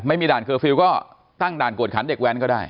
ไม่มีด่านเคอร์ฟิลล์ก็ตั้งด่านกวดขันเด็กแว้นก็ได้